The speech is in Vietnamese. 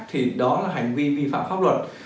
thì đó là hành vi vi phạm pháp luật